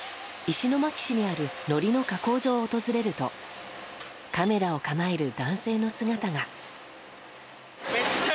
石巻市にあるのりの加工場を訪れるとカメラを構える男性の姿が。